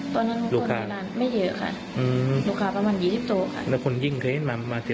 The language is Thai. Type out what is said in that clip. ตอนนั้นคนไม่เยอะค่ะลูกค้าประมาณ๒๐โตค่ะ